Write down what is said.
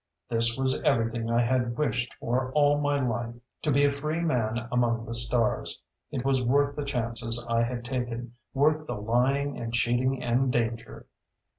This was everything I had wished for all my life. To be a free man among the stars. It was worth the chances I had taken, worth the lying and cheating and danger.